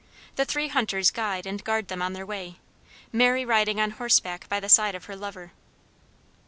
The three hunters guide and guard them on their way, Mary riding on horseback by the side of her lover.